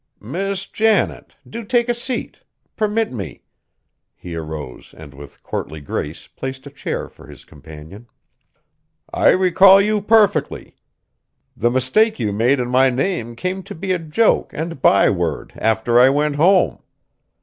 "Miss Janet, do take a seat! Permit me!" He arose and with courtly grace placed a chair for his companion. "I recall you perfectly. The mistake you made in my name came to be a joke and byword after I went home.